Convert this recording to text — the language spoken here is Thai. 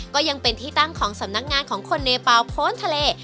ก็ยังเป็นที่ตั้งของสำนักงานของคนเนเปล่าโพนทะเล